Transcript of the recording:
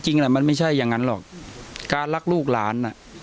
จริงแอ้มันไม่ใช่ยังงั้นหรอกการรักลูกหลาน